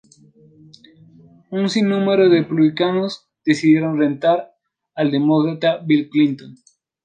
Un sin número de republicanos decidieron retar al demócrata Bill Clinton.